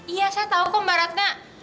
iya saya tahu kok mbak ratna